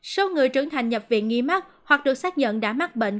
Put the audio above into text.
số người trưởng thành nhập viện nghi mắc hoặc được xác nhận đã mắc bệnh